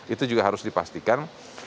itu juga harus dipastikan